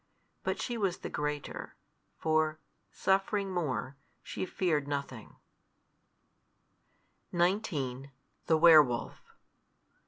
But she was the greater, for, suffering more, she feared nothing. XIX. THE WERE WOLF.